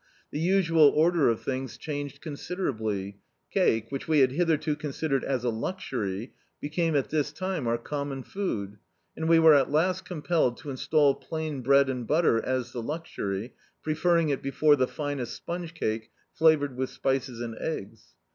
The usual order of things changed considerably. Cake — which we had hitherto con sidered as a luxury — ^became at this time our cranmon food, and we were at last compelled to install plain bread and butter as the luxury, preferring it before the finest spcKige cake flavoured with spices and e^s.